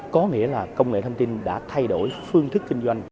có nghĩa là công nghệ thông tin đã thay đổi phương thức kinh doanh